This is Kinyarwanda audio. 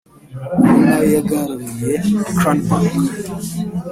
ari nayo yeguriwe Crane Bank